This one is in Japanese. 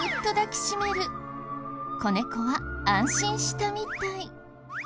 子猫は安心したみたい。